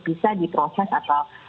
bisa diproses atau